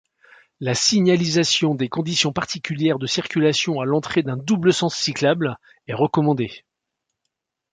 La signalisation des conditions particulières de circulation à l'entrée d'un double-sens cyclable est recommandée.